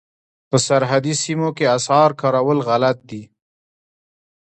په سرحدي سیمو کې اسعار کارول غلط دي.